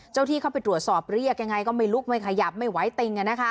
ที่เข้าไปตรวจสอบเรียกยังไงก็ไม่ลุกไม่ขยับไม่ไหวติง